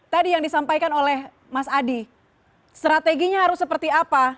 tadi yang disampaikan oleh mas adi strateginya harus seperti apa